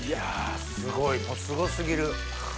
すごいすご過ぎる。